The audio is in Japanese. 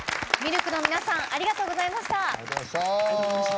ＬＫの皆さんありがとうございました。